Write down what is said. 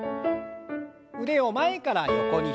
腕を前から横に開いて。